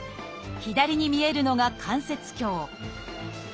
左に見えるのが関節鏡